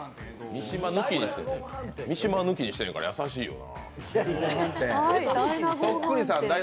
三島抜きにしているからやさしいよ。